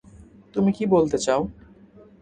তুমি কি বলতে চাউ?